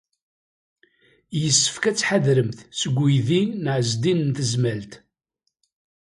Yessefk ad tḥadremt seg uydi n Ɛezdin n Tezmalt.